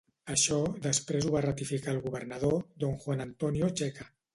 Això després ho va ratificar el governador, D. Juan Antonio Checa.